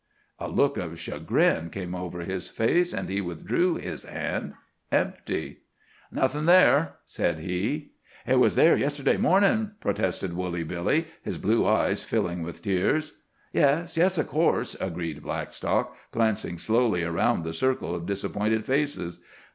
A look of chagrin came over his face, and he withdrew his hand—empty. "Nothin' there!" said he. "It was there yesterday morning," protested Woolly Billy, his blue eyes filling with tears. "Yes, yes, of course," agreed Blackstock, glancing slowly around the circle of disappointed faces.